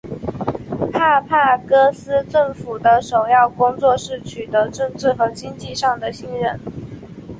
帕帕戈斯政府的首要工作是取得政治和经济上的信任。